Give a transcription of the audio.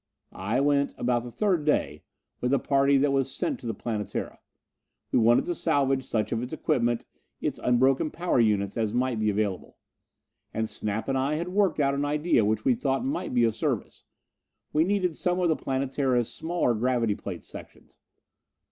I went about the third day with the party that was sent to the Planetara. We wanted to salvage such of its equipment, its unbroken power units, as might be available. And Snap and I had worked out an idea which we thought might be of service. We needed some of the Planetara's smaller gravity plate sections.